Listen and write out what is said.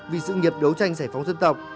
vì sự nghiệp đấu tranh giải phóng dân tộc